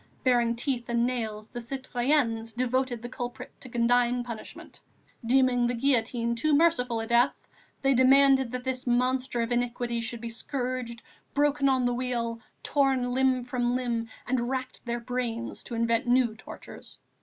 Baring teeth and nails, the citoyennes devoted the culprit to condign punishment; deeming the guillotine too merciful a death, they demanded this monster of iniquity should be scourged, broken on the wheel, torn limb from limb, and racked their brains to invent new tortures.